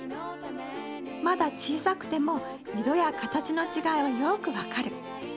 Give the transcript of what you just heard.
まだ小さくても色や形の違いはよく分かる。